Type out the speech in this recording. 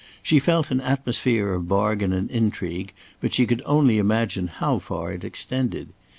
She felt an atmosphere of bargain and intrigue, but she could only imagine how far it extended.